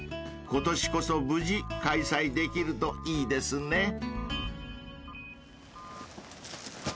［今年こそ無事開催できるといいですね］